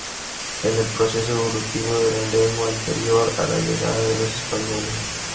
En el proceso evolutivo de la lengua anterior a la llegada de los españoles.